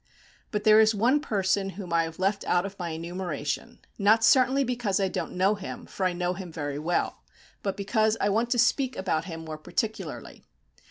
But there is one person whom I have left out of my enumeration, not certainly because I don't know him, for I know him very well, but because I want to speak about him more particularly.